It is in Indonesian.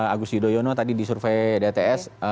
agus yudhoyono tadi di survei dts